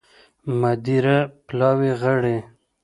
مدیره پلاوي غړي